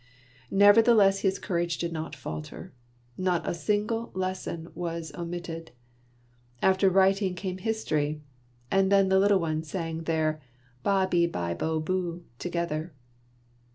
Nevertheless his courage did not falter; not a single lesson was omitted. After writing came history, and then the little ones sang iheif 'y3ar S£y Bi, Bo, Bur together.